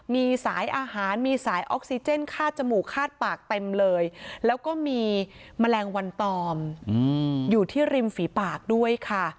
มีสายอาหารมีสายออกซิเจนคาดจมูกคาดปากเต็มเลยแล้วก็มีแมลงวันตอมอยู่ที่ริมฝีปากด้วยค่ะ